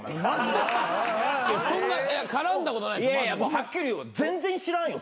はっきり言おう全然知らんよ